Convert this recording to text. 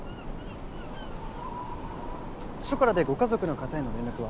署からでご家族の方への連絡は？